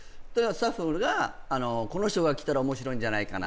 スタッフがこの人が来たら面白いんじゃないかな